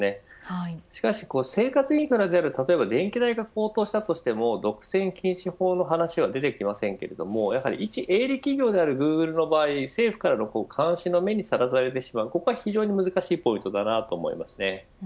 しかし生活インフラである電気代が高騰したとしても独占禁止法の話は出てきませんがやはり、いち営利企業であるグーグルグーグルの場合政府からの監視の目にさらされてしまうのが難しいポイントです。